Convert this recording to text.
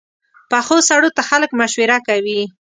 پخو سړو ته خلک مشوره کوي